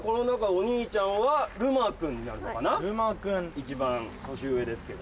一番年上ですけど。